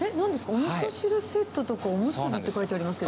おみそ汁セットとか、おむすびって書いてありますけど。